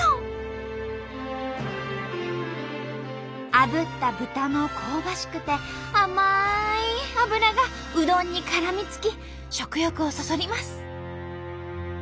あぶった豚の香ばしくて甘い脂がうどんにからみつき食欲をそそります。